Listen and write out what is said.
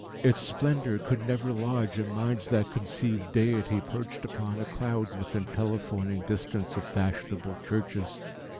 Its splendour could never lodge in minds that conceive Deity perched upon a cloud within telephoning distance of fashionable churches.